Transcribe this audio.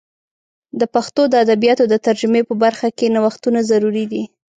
د پښتو د ادبیاتو د ترجمې په برخه کې نوښتونه ضروري دي.